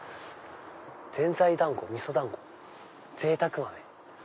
「ぜんざいだんご」「みそだんご」「ぜいたく豆」。